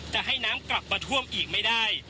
จะให้น้ำกลับมาท่วมอีกไม่ได้